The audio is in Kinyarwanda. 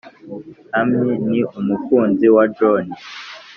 amy ni umukunzi wa john.